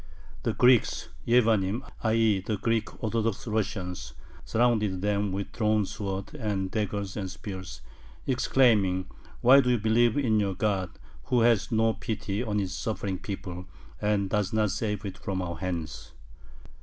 The Greeks [Yevanim, i. e. the Greek Orthodox Russians] surrounded them with drawn swords, and with daggers and spears, exclaiming: "Why do you believe in your God, who has no pity on His suffering people, and does not save it from our hands?